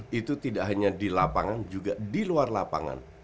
dan itu tidak hanya dilapangan juga diluar lapangan